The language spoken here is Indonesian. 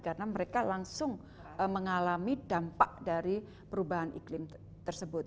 karena mereka langsung mengalami dampak dari perubahan iklim tersebut